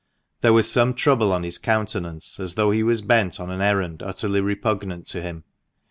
There was some trouble on his countenance, as though he was bent on an errand utterly repugnant to him.